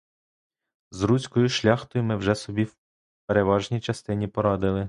З руською шляхтою ми вже собі в переважній частині порадили.